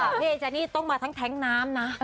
อ้าวเฮ้จานี่ต้องมาทั้งแทงก์น้ำนะ